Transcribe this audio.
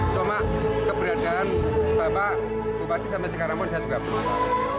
cuma keberadaan bapak bupati sampai sekarang pun saya juga belum